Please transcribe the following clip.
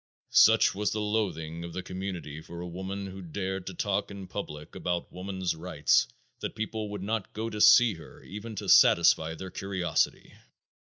Such was the loathing of the community for a woman who dared to talk in public about "woman's rights" that people would not go to see her even to satisfy their curiosity.